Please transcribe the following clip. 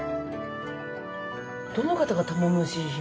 どの方が玉虫姫？